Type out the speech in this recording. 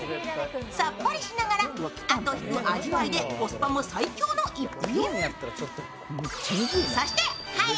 さっぱりしながら、後引く味わいでコスパも最強の逸品。